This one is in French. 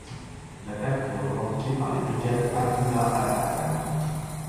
L'attaque fut revendiquée par les brigades Abdullah al-Azzam.